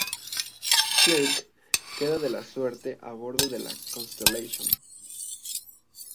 Kirk queda a su suerte a bordo de la "Constellation".